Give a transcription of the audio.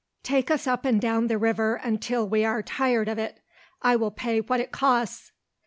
"Take us up and down the river until we are tired of it. I will pay what it costs."